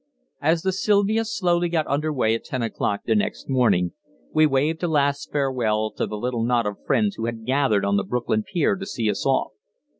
As the Silvia slowly got under way at ten o'clock the next morning, we waved a last farewell to the little knot of friends who had gathered on the Brooklyn pier to see us off.